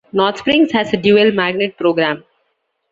North Springs has a dual magnet program.